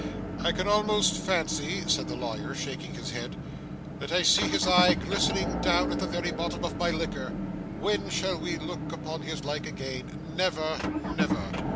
'I can almost fancy,' said the lawyer shaking his head, 'that I see his eye glistening down at the very bottom of my liquor. When shall we look upon his like again? Never, never!